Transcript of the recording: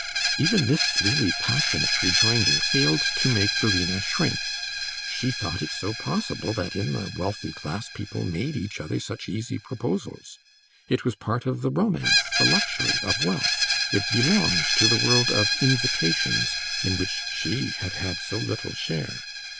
Even this really passionate rejoinder failed to make Verena shrink; she thought it so possible that in the wealthy class people made each other such easy proposals. It was a part of the romance, the luxury, of wealth; it belonged to the world of invitations, in which she had had so little share.